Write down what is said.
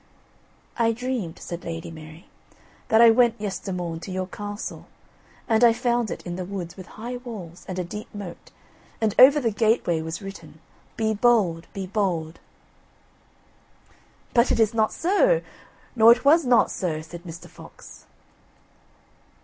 "I dreamed," said Lady Mary, "that I went yestermorn to your castle, and I found it in the woods, with high walls, and a deep moat, and over the gateway was written: BE BOLD, BE BOLD. "But it is not so, nor it was not so," said Mr. Fox.